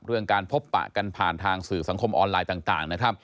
เรื่องการพบปะกันผ่านทางสื่อสังคมออนไลน์ต่างนะครับ